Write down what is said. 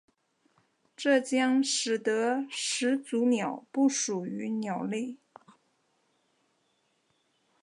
这将使得始祖鸟不属于鸟类。